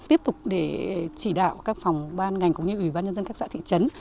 tiếp tục để chỉ đạo các phòng ban ngành cũng như ủy ban nhân dân các xã thị trấn